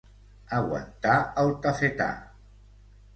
Aguantar el tafetà.